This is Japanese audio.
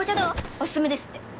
おすすめですって。